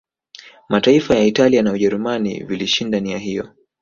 Mataifa ya Italia na Ujerumani vilishinda nia hiyo